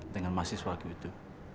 dengan mahasiswaku itu